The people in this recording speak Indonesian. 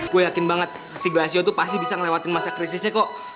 gue yakin banget si blasio itu pasti bisa ngelewatin masa krisisnya kok